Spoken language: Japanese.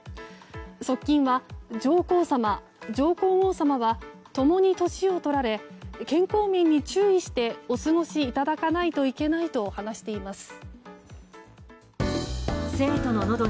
側近は、上皇さま上皇后さまは共に年を取られ健康面に注意してお過ごしいただかないといけないと話しています。